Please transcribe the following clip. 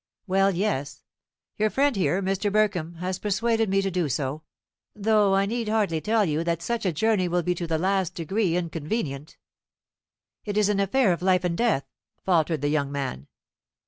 "Well, yes; your friend here, Mr. Burkham, has persuaded me to do so, though I need hardly tell you that such a journey will be to the last degree inconvenient." "It is an affair of life and death," faltered the young man.